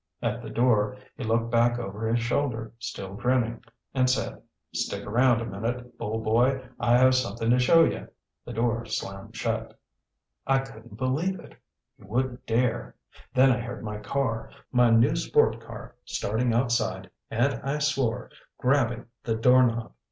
At the door, he looked back over his shoulder, still grinning, and said, "Stick around a minute, Bull boy. I have something to show you." The door slammed shut. I couldn't believe it; he wouldn't dare. Then I heard my car, my new sport car, starting outside and I swore, grabbing the doorknob.